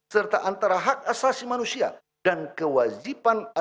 serta antara hak asasi manusia dan kewajiban asasi manusia